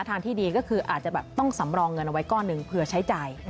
ทางที่ดีก็คืออาจจะแบบต้องสำรองเงินเอาไว้ก้อนหนึ่งเผื่อใช้จ่าย